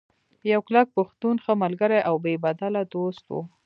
يو کلک پښتون ، ښۀ ملګرے او بې بدله دوست وو